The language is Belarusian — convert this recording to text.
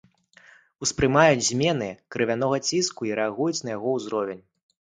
Успрымаюць змены крывянога ціску і рэагуюць на яго ўзровень.